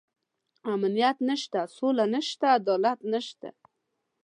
امنيت نشته، سوله نشته، عدالت نشته.